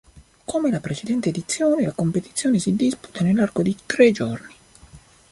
Come la precedente edizione, la competizione si disputa nell'arco di tre giorni.